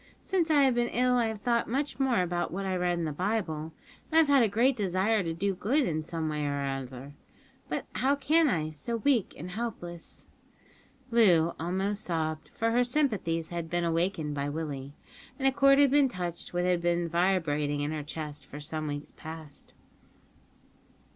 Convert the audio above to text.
Since I have been ill I have thought much more about what I read in the Bible, and I've had a great desire to do good in some way or other, but how can I so weak and helpless?" Loo almost sobbed, for her sympathies had been awakened by Willie, and a chord had been touched which had been vibrating in her breast for some weeks past.